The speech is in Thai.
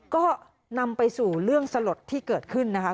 ก็นำไปสู่เรื่องสลดที่เกิดขึ้นนะคะ